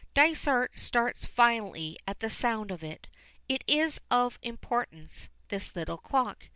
Dysart starts violently at the sound of it. It is of importance, this little clock.